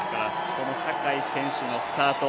この坂井選手のスタート